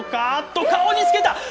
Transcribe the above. おっと、顔につけた！